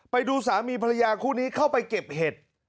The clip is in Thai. ไปดูสามีภรรยาคู่นี้เข้าไปเก็บเห็ด